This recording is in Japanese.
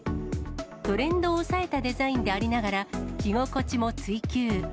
トレンドを押さえたデザインでありながら、着心地も追求。